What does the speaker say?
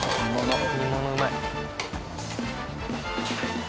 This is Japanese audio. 煮物うまい。